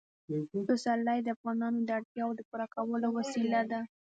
پسرلی د افغانانو د اړتیاوو د پوره کولو وسیله ده.